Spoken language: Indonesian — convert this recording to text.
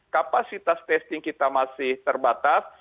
kapasitas testing kita masih terbatas